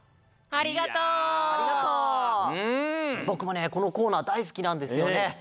ぼくもねこのコーナーだいすきなんですよね。